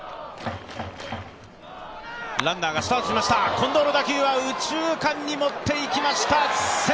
近藤の打球は右中間にもっていきました。